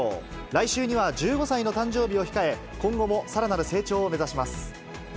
来週には１５歳の誕生日を控え、今後もさらなる成長を目指します。